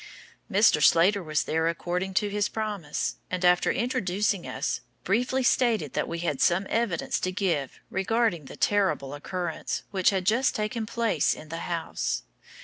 Mr. Slater was there according to his promise, and after introducing us, briefly stated that we had some evidence to give regarding the terrible occurrence which had just taken place in the house.